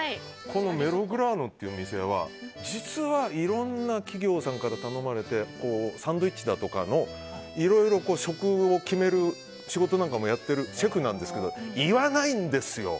Ｍｅｌｏｇｒａｎｏというお店は実はいろんな企業さんから頼まれてサンドイッチだとかの色々、決める仕事なんかもやってるシェフなんですけど言わないんですよ。